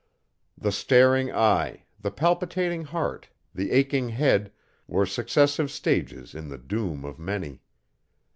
The staring eye, the palpitating heart, the aching head, were successive stages in the doom of many.